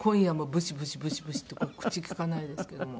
ブシブシブシブシって口利かないですけども。